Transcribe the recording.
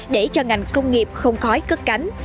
để cho ngành công nghiệp không khói cất cánh